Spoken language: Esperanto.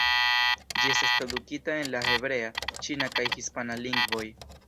Ĝi estas tradukita en la hebrea, ĉina kaj hispana lingvoj.